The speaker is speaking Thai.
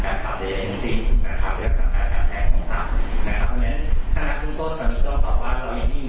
บัตรแผ่นที่เกิดขึ้นภายใดทั้งหมดก็เป็นรักษณะของบัตรแผ่นที่เกิดขึ้นจากการถูกสัดจัดทำไม่ได้เกิดจากการที่ถูกล้มจัดทำจากการตัด